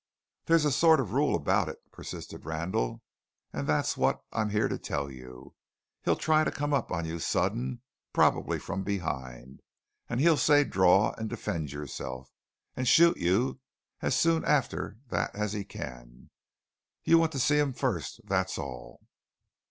"There's a sort of rule about it," persisted Randall. "And that's what I'm here to tell you. He'll try to come up on you suddenly, probably from behind; and he'll say 'draw and defend yourself,' and shoot you as soon after that as he can. You want to see him first, that's all."